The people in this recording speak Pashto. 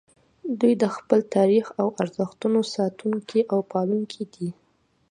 دوی د خپل تاریخ او ارزښتونو ساتونکي او پالونکي دي